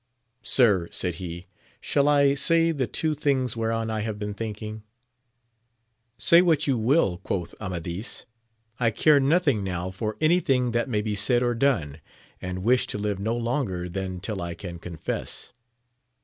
Sir, said he, shall I say the two things whereon I have been thinking % Say what you wiU, quoth Amadis ; I care nothing 280 AMADIS OF GAUL. now for any thing that may be said or done, and wish to live no longer than till I can confess.